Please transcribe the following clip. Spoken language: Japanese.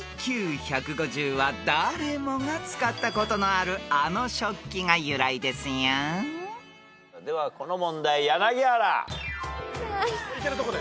［ＩＱ１５０は誰もが使ったことのあるあの食器が由来ですよ］ではこの問題柳原。